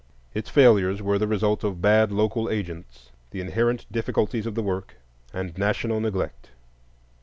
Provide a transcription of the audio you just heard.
Its failures were the result of bad local agents, the inherent difficulties of the work, and national neglect.